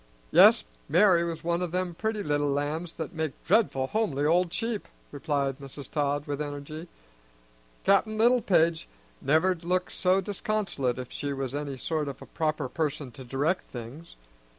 "Yes, Mari' was one o' them pretty little lambs that make dreadful homely old sheep," replied Mrs. Todd with energy. "Cap'n Littlepage never'd look so disconsolate if she was any sort of a proper person to direct things.